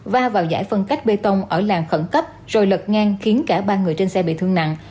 và vào giải phân cách bê tông ở làng khẩn cấp rồi lật ngang khiến cả ba người trên xe bị thương nặng